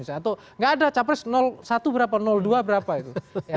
atau nggak ada capres satu berapa dua berapa itu